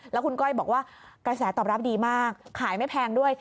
แล้วคุณก้อยบอกว่ากระแสตอบรับดีมากขายไม่แพงด้วย